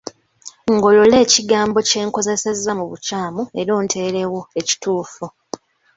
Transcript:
Ngolola ekigambo kye nkozesezza mu bukyamu era onteerewo ekituufu.